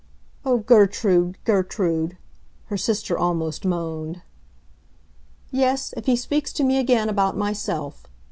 "Oh, Gertrude, Gertrude!" her sister almost moaned. "Yes, if he speaks to me again about myself.